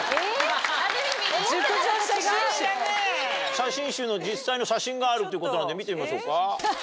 写真集の実際の写真があるっていうことなんで見てみましょうか。